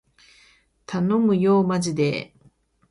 たのむよーまじでー